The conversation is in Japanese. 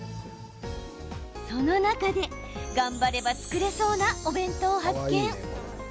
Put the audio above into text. その中で、頑張れば作れそうなお弁当を発見。